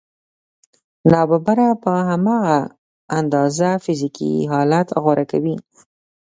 ناببره په هماغه اندازه فزيکي حالت غوره کوي.